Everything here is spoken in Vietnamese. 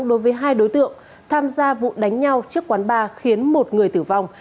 đối với hai đối tượng tham gia vụ đánh nhau trước quán ba khiến một người tử vong